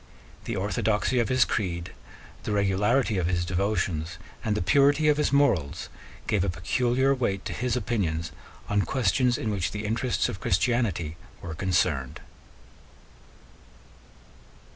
The orthodoxy of his creed, the regularity of his devotions, and the purity of his morals gave a peculiar weight to his opinions on questions in which the interests of Christianity were concerned.